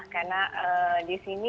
karena di sini